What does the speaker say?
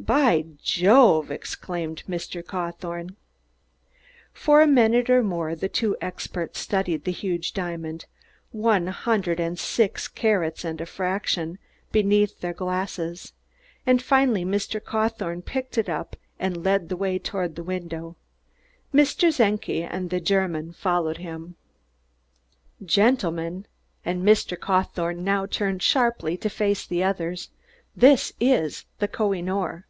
"By Jove!" exclaimed Mr. Cawthorne. For a minute or more the two experts studied the huge diamond one hundred and six carats and a fraction beneath their glasses, and finally Mr. Cawthorne picked it up and led the way toward the window. Mr. Czenki and the German followed him. "Gentlemen," and Mr. Cawthorne now turned sharply to face the others, "this is the Koh i noor!